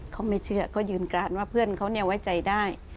เขาไม่เชื่อเขายืนกราศว่าเพื่อนเขาไว้ใจได้